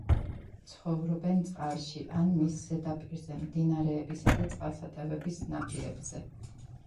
ცხოვრობენ წყალში ან მის ზედაპირზე, მდინარეებისა და წყალსატევების ნაპირებზე.